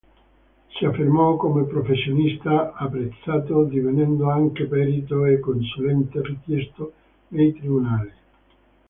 Si affermò come professionista apprezzato, divenendo anche perito e consulente richiesto nei Tribunali.